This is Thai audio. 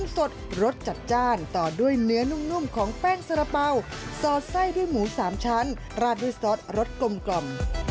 ซอสไส้ด้วยหมู๓ชั้นราดด้วยซอสรสกลม